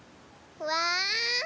うわ。